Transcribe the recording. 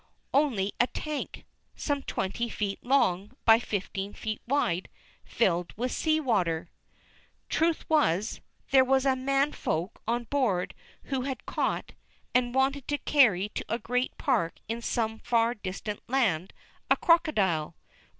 Only a tank, some twenty feet long by fifteen feet wide, filled with sea water! Truth was, there was a man Folk on board who had caught, and wanted to carry to a great park in some far distant land, a crocodile.